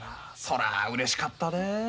そらうれしかったで。